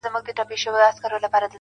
ستا د شونډو په ساغر کي را ايسار دی